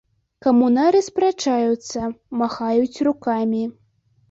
Камунары спрачаюцца, махаюць рукамі.